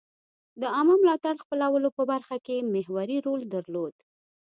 د عامه ملاتړ خپلولو په برخه کې محوري رول درلود.